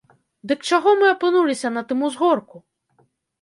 Дык чаго мы апынуліся на тым узгорку?